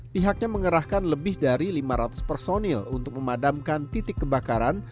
pihaknya mengerahkan lebih dari lima ratus personil untuk memadamkan titik kebakaran